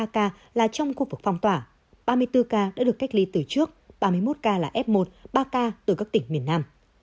ba ca là trong khu vực phong tỏa ba mươi bốn ca đã được cách ly từ trước ba mươi một ca là f một ba ca từ các tỉnh miền nam